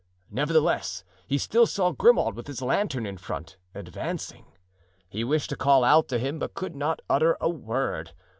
Nevertheless, he still saw Grimaud with his lantern in front, advancing. He wished to call out to him but could not utter a word.